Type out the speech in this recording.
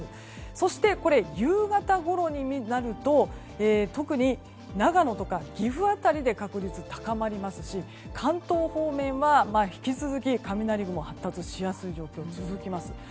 そして、夕方ごろになると特に長野とか岐阜辺りで確率が高まりますし関東方面は、引き続き雷雲が発達しやすい状況が続きます。